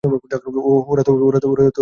ওহ, ওরা তো বিদেশী।